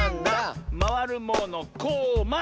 「まわるものこま！」